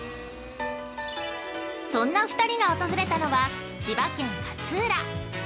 そんな２人が訪れたのは千葉県、勝浦。